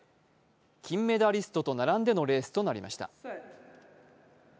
金メダリストと並んでのレースとなりました。